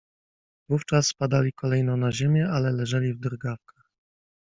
Wówczas padali kolejno na ziemię, ale leżeli w drgawkach.